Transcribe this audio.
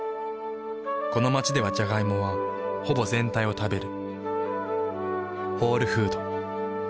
この街ではジャガイモはほぼ全体を食べる。